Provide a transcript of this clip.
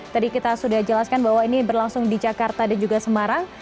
tadi kita sudah jelaskan bahwa ini berlangsung di jakarta dan juga semarang